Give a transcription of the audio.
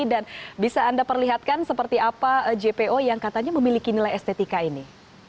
dan bisa anda perlihatkan seperti apa jpu yang katanya memiliki nilai estetika ini